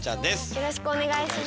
よろしくお願いします。